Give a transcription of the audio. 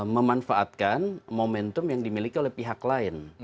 memanfaatkan momentum yang dimiliki oleh pihak lain